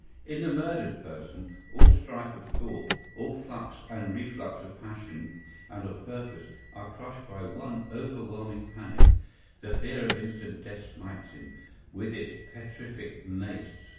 In the murdered person all strife of thought, all flux and reflux of passion and of purpose, are crushed by one overwhelming panic; the fear of instant death smites him "with its petrific mace."